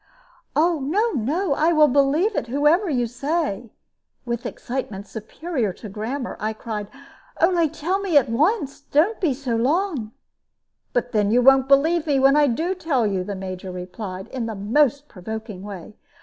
"No, no; I will believe it, whoever you say," with excitement superior to grammar, I cried; "only tell me at once don't be so long." "But then you won't believe me when I do tell you," the Major replied, in the most provoking way.